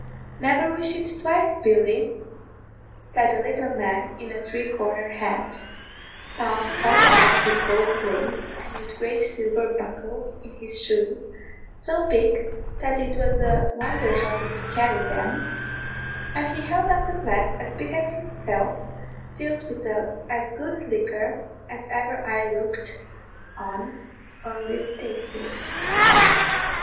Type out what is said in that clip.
"Never wish it twice, Billy," said a little man in a three cornered hat, bound all about with gold lace, and with great silver buckles in his shoes, so big that it was a wonder how he could carry them, and he held out a glass as big as himself, filled with as good liquor as ever eye looked on or lip tasted.